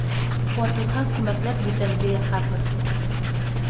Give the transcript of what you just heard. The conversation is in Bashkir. Ватылһа, күмәкләп бүтәнде яһарбыҙ...